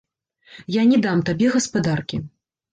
Я не дам табе гаспадаркі.